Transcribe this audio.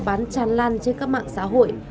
bán tràn lan trên các mạng xã hội